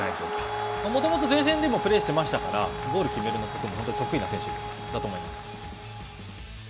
もともと前線でもプレーしていましたから、ゴール決めることも本当に得意な選手だと思います。